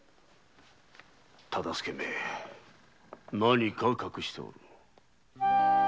大岡め何か隠しておる。